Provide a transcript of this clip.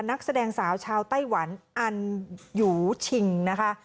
นักแสดงสาวชาวไต้หวันอันยูชิงนะคะ